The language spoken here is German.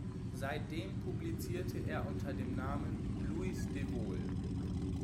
Seitdem publizierte er unter dem Namen "Louis de Wohl".